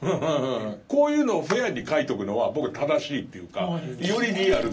こういうのをフェアに書いとくのは僕は正しいというかよりリアルだと思う。